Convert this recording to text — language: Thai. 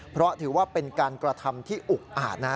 เพราะถือว่าเป็นการกระทำที่อุกอาจนะ